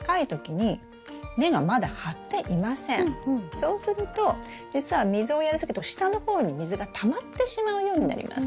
そうするとじつは水をやりすぎると下の方に水がたまってしまうようになります。